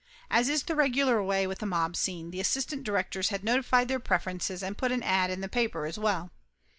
As is the regular way with a mob scene, the assistant directors had notified their preferences, and put an ad in the papers as well.